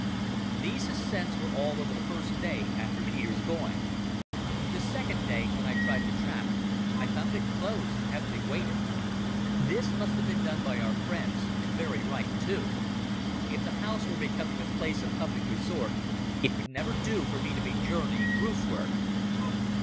These ascents were all on the first day after Peter's going. The second day, when I tried the trap, I found it closed and heavily weighted. This must have been done by our friends, and very right, too. If the house were becoming a place of public resort, it would never do for me to be journeying roof ward.